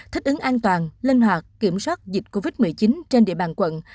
thích ứng an toàn linh hoạt kiểm soát dịch covid một mươi chín trên địa bàn quận